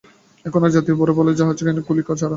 এখন আর যাত্রী বড় পাল-জাহাজে যায় না, কুলী ছাড়া।